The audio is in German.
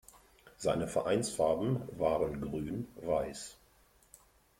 Seine Vereinsfarben waren Grün-Weiß.